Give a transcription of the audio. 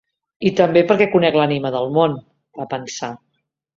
I també perquè conec l'Ànima del món, va pensar.